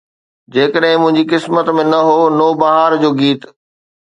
جيڪڏهن منهنجي قسمت ۾ نه هو، نوبهار جو گيت